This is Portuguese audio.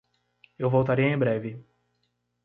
Eu voltarei em breve.